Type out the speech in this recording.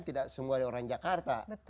tidak semua orang jakarta